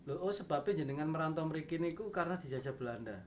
oh sebabnya jenangan merantau mereka itu karena di jajah belanda